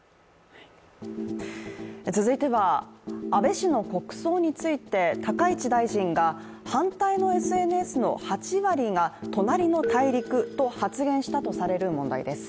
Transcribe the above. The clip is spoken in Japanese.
続いては、安倍氏の国葬について高市大臣が反対のＳＮＳの８割が隣の大陸と発言したとされる問題です。